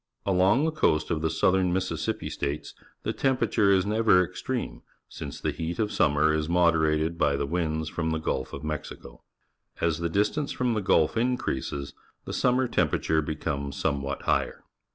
Along the coast of theSoutheraJMississippi States the temperature is never extreme, since the heat of suimner is moderated by the winds from the Gulf of Mexico. As the distance from the Gulf increases, the sunmier temperature becomes somewhat higher.